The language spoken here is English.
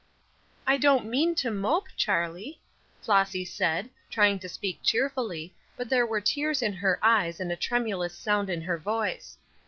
"I don't mean to mope, Charlie," Flossy said, trying to speak cheerfully, but there were tears in her eyes and a tremulous sound in her voice.